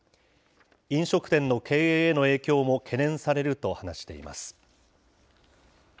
飲食店の経営への影響も懸念されると話しています。